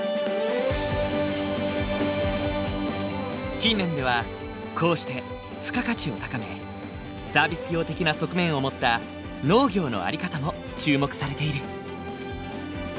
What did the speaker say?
近年ではこうして付加価値を高めサービス業的な側面を持った農業の在り方も注目されている。